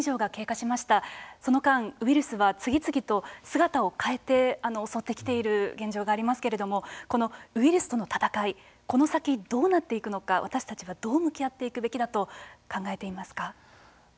その間ウイルスは次々と姿を変えて襲ってきている現状がありますけれどもこのウイルスとの闘いこの先どうなっていくのか私たちはどう向き合っていくべきだと考えていますか。